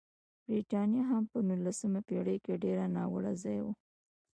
برېټانیا هم په نولسمه پېړۍ کې ډېر ناوړه ځای و.